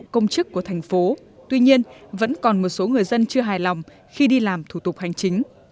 công chức của thành phố tuy nhiên vẫn còn một số người dân chưa hài lòng khi đi làm thủ tục hành chính